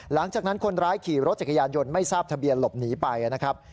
หลังจากนั้นคนร้ายขี่รถจักรยานยนต์ไม่ทราบทะเบียนหลบหนีไปนะครับ